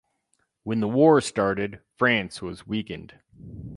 When the war started, France was weakened.